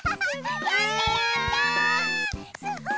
すごい。